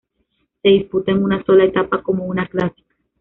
Se disputa en una sola etapa, como una clásica.